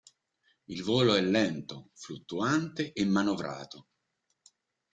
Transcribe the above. Il volo è lento, fluttuante e manovrato.